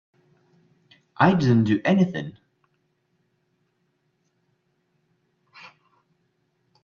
I didn't do anything.